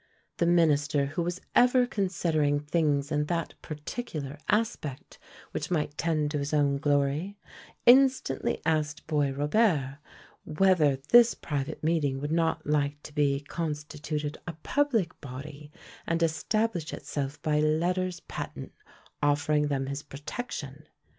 The minister, who was ever considering things in that particular aspect which might tend to his own glory, instantly asked Boisrobert, whether this private meeting would not like to be constituted a public body, and establish itself by letters patent, offering them his protection.